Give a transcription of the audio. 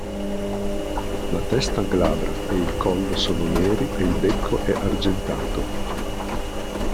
La testa glabra e il collo sono neri e il becco è argentato.